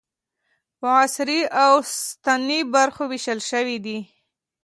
په عصري او سنتي برخو وېشل شوي دي.